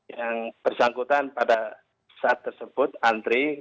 yang bersangkutan pada saat tersebut antri